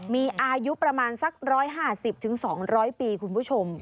มีอายุประมาณสัก๑๕๐๒๐๐ปีคุณผู้ชม